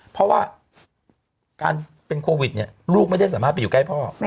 เพราะว่าการเป็นโควิดเนี่ยลูกไม่ได้สามารถไปอยู่ใกล้พ่อ